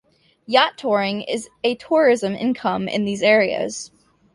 Yacht touring is a tourism income in these areas.